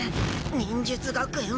忍術学園は。